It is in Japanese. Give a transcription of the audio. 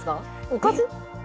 おかず？